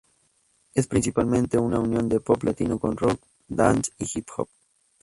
Es principalmente una unión de pop latino con rock, dance y hip-hop.